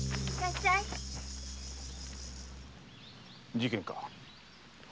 事件か？